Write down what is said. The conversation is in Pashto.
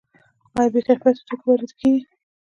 آیا بې کیفیته توکي وارد کیږي؟